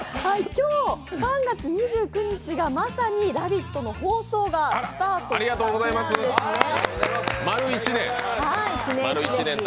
今日３月２９日がまさに「ラヴィット！」の放送がスタートした日なんですね。